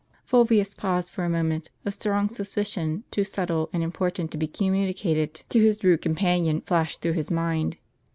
Fulvius paused for a moment; a strong suspicion, too subtle and important to be communicated to his rude com panion, flashed through his mind.